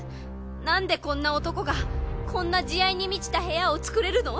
なんでこんな男がこんな慈愛に満ちた部屋を作れるの？